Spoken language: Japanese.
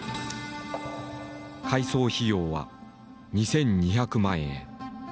改装費用は２，２００万円。